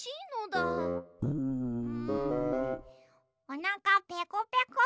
おなかペコペコ。